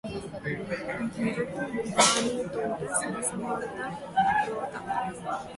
మొరటువానితోడ సరసమాడుట రోత